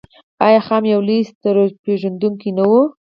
آیا خیام یو لوی ستورپیژندونکی نه و؟